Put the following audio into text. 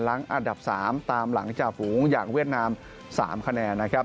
หลังอันดับ๓ตามหลังจากอุขุมงค์อย่างเวียดนาม๓คะแนน